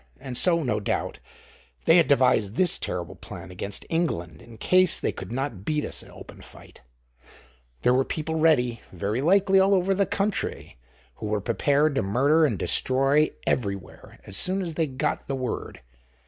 And so, no doubt, they had devised this terrible plan against England in case they could not beat us in open fight: there were people ready, very likely, all over the country, who were prepared to murder and destroy everywhere as soon as they got the word.